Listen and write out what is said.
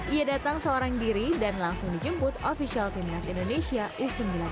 ia datang seorang diri dan langsung dijemput ofisial timnas indonesia u sembilan belas